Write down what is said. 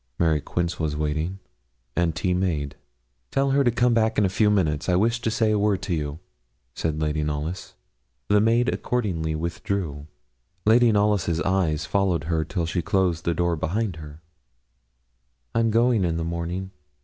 Mary Quince was in waiting, and tea made. 'Tell her to come back in a few minutes; I wish to say a word to you,' said Lady Knollys. The maid accordingly withdrew. Lady Knollys' eyes followed her till she closed the door behind her. 'I'm going in the morning.'